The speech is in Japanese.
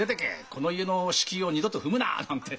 この家の敷居を二度と踏むな」なんて。